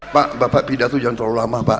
pak bapak pidato jangan terlalu lama pak